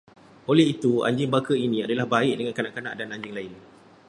Oleh itu, anjing baka ini adalah baik dengan kanak-kanak dan anjing lain